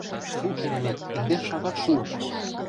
— Фу, керемет, индеш шагат шуын!